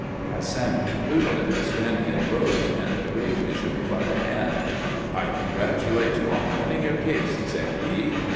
As Sam concluded, Stranion rose and gravely shook him by the hand. "I congratulate you on winning your case!" said he.